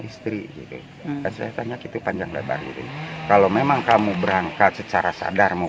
istri gitu kan saya tanya gitu panjang lebar ini kalau memang kamu berangkat secara sadar mau